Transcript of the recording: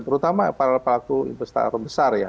terutama para pelaku investasi besar ya